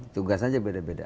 tugas aja beda beda